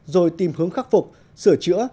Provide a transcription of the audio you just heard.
rồi tìm hướng khắc phục sửa chữa